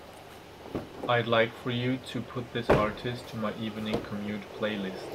I'd like for you to put this artist to my Evening Commute playlist.